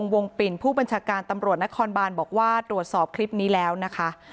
ปิ่นผู้บัญชาการตำรวจนครบานบอกว่าตรวจสอบคลิปนี้แล้วนะคะ